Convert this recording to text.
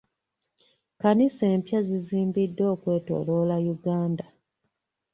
Kkanisa empya zizimbiddwa okwetooloola Uganda.